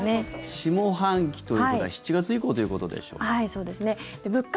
下半期ということは７月以降ということでしょうか。